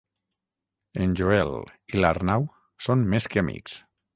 En Joel i l'Arnau són més que amics.